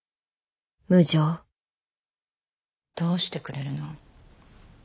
無情どうしてくれるの？